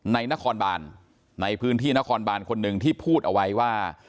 นครบานในพื้นที่นครบานคนหนึ่งที่พูดเอาไว้ว่า